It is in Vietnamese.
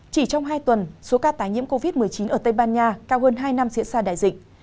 chỉ trong hai tuần số ca tái nhiễm covid một mươi chín ở tây ban nha cao hơn hai năm diễn ra đại dịch